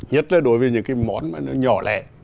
nhất là đối với những cái món mà nó nhỏ lẻ